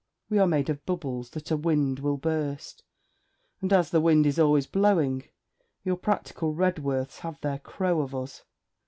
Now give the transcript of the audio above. We are made of bubbles that a wind will burst, and as the wind is always blowing, your practical Redworths have their crow of us.'